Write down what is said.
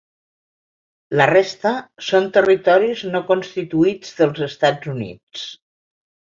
La resta són territoris no constituïts dels Estats Units.